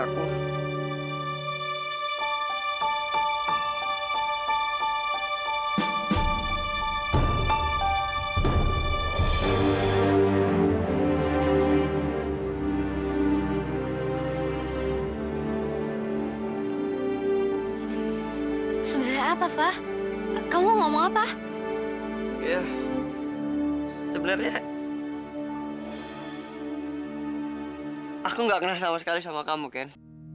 aku gak kenal sama sekali sama kamu ken